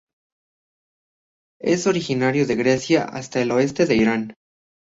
Es originario de Grecia hasta el oeste de Irán.